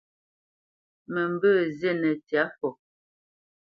Mə mbə̄ zînə ntsyâ fɔ.